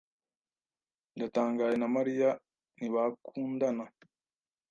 Ndatangaye na Mariya ntibakundana.